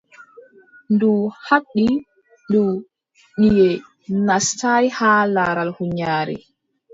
Ndu haɓdi, ndu, nyiʼe naastaay har laral huunyaare.